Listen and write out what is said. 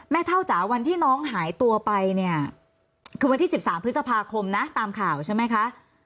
เท่าจ๋าวันที่น้องหายตัวไปเนี่ยคือวันที่๑๓พฤษภาคมนะตามข่าวใช่ไหมคะ